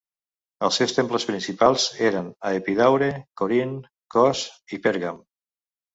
Els seus temples principals eren a Epidaure, Corint, Kos i Pèrgam.